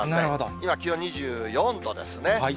今、気温２４度ですね。